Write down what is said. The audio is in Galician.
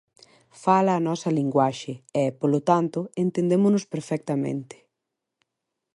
Fala a nosa linguaxe e, polo tanto, entendémonos perfectamente.